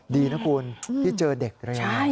ดีนะคุณที่เจอเด็กเลยนะ